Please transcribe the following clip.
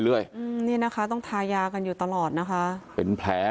อืมนี่นะคะต้องทายากันอยู่ตลอดนะคะเป็นแผล